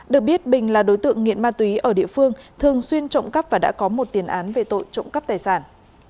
được biết bình là đối tượng nghiện ma túy ở địa phương thường xuyên trộm cắp và đã có một tiền án về tội trộm cắp tài sản